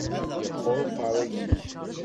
Yeqquṛ uqeṛṛu-yik.